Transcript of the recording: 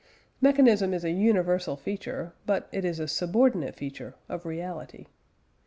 Mechanism is a universal feature, but it is a subordinate feature, of reality.